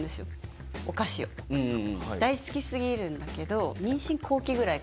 大好き過ぎるんだけど。